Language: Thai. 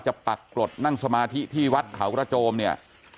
ปักกรดนั่งสมาธิที่วัดเขากระโจมเนี่ย